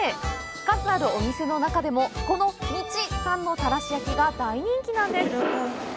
数あるお店の中でもこの道さんのたらし焼きが大人気なんです。